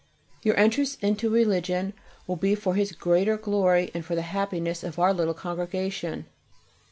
Your entrance into Religion will be for His greater glory and for the happiness of our little Congregation.